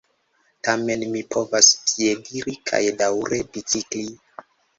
Tamen mi povas piediri kaj daŭre bicikli.